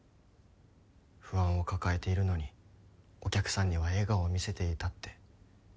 不安を抱えているのにお客さんには笑顔を見せていたって。